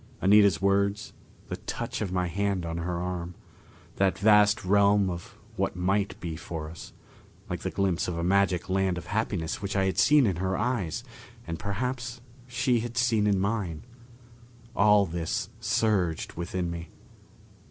Anita's words, the touch of my hand on her arm, that vast realm of what might be for us, like the glimpse of a magic land of happiness which I had seen in her eyes, and perhaps she had seen in mine all this surged within me.